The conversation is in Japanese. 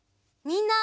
みんな！